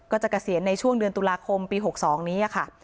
ก็จะเกษียณในช่วงเดือนตุลาคมปีหกสองนี้อ่ะค่ะ